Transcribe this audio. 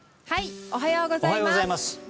おはようございます。